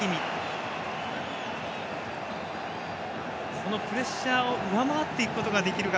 このプレッシャーを上回っていくことができるか。